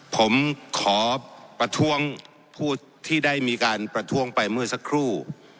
ผมขอประท้วงผู้ที่ได้มีการประท้วงไปเมื่อสักครู่